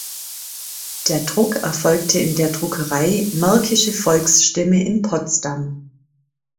Der Druck erfolgte in der Druckerei Märkische Volksstimme in Potsdam.